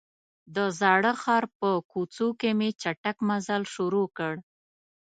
د زاړه ښار په کوڅو کې مې چټک مزل شروع کړ.